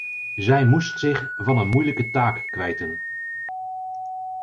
Zij moest zich van een moeilijke taak kwijten.